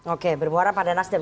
oke bermuara pada nasdem